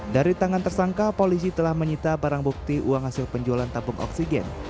dari tangan tersangka polisi telah menyita barang bukti uang hasil penjualan tabung oksigen